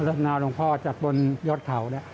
รัศนาลงค์พ่อจัดบนยอดเผสอ่ะ